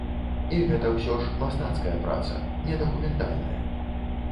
І гэта ўсё ж мастацкая праца, не дакументальная.